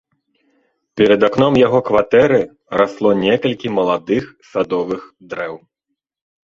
Перад акном яго кватэры расло некалькі маладых садовых дрэў.